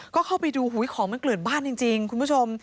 ก็เข้าไปดูของมันเกลื่อนบ้านจริงคุณผู้ชม